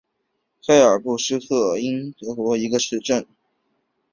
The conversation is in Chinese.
黑尔布斯泰因是德国黑森州的一个市镇。